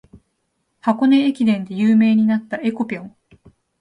箱根駅伝で有名になった「えこぴょん」